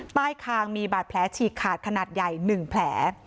ใต้คางมีบาดแผลฉีกขาดขนาดใหญ่๑แผล